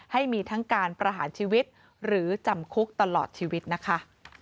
ให้มีทั้งการประหารชีวิตหรือจำคุกตลอดชีวิตนะคะ